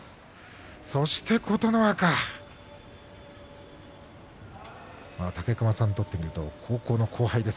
そして琴ノ若、武隈さんにとってみると高校の後輩です。